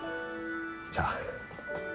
じゃあ。え。